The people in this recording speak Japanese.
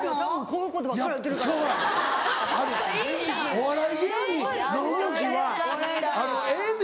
お笑い芸人の動きはええね